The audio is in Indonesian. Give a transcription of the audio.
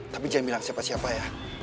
tapi saya bilang siapa siapa ya